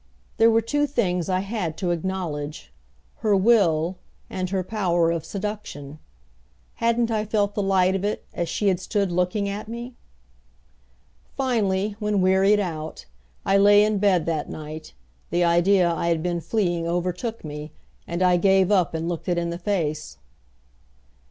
There were two things I had to acknowledge her will, and her power of seduction. Hadn't I felt the light of it as she had stood looking at me? Finally, when wearied out, I lay in bed that night, the idea I had been fleeing overtook me; and I gave up and looked it in the face.